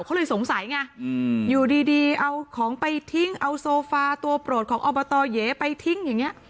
เขาเลยสงสัยไงอยู่ดีเอาของไปทิ้งเอาโซฟาตัวโปรดของอบตเย้ไปทิ้งอย่างนี้